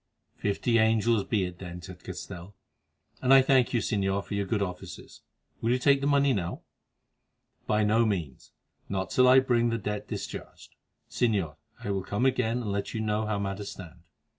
"Fifty angels be it then," said Castell, "and I thank you, Señor, for your good offices. Will you take the money now?" "By no means; not till I bring the debt discharged. Señor, I will come again and let you know how matters stand.